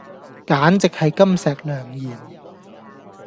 簡直係金石良言